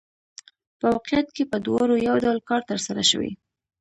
په واقعیت کې په دواړو یو ډول کار ترسره شوی